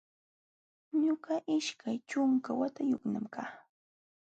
Ñuqa ishkay ćhunka watayuqmi kaa